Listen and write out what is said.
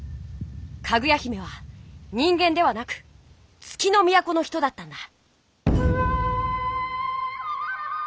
かぐや姫は人間ではなく月のみやこの人だったんだ。